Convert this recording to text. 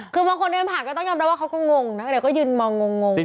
คือบางคนในผักก็ต้องยอมรับว่าเขาก็งงนะไหนก็ยืนมองงงงง